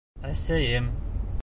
Әсәйем